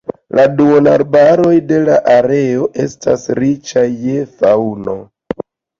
La duonarbaroj de la areo estas riĉaj je faŭno.